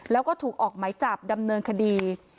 แล้วก็ถูกออกไหมจับดำเนินคดี